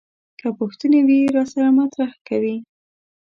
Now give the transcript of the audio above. که پوښتنې وي راسره مطرح کوي.